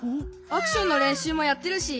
アクションのれんしゅうもやってるし。